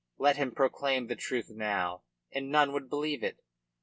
Let him proclaim the truth now and none would believe it.